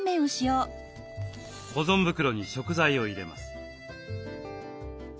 保存袋に食材を入れます。